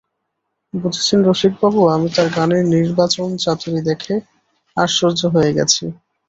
বুঝেছেন রসিকবাবু, আমি তাঁর গানের নির্বাচনচাতুরী দেখে আশ্চর্য হয়ে গেছি।